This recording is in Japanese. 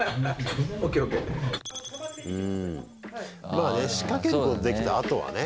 まあね仕掛けることできたら後はね。